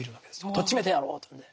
とっちめてやろうというんで。